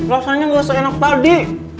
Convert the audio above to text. rasanya gak seenak tadi